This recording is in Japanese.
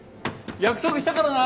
約束したからな。